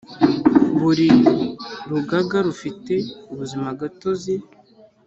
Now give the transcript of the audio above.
Buri rugaga rufite ubuzimagatozi